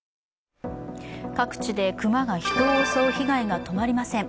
各地で熊が人を襲う被害が止まりません。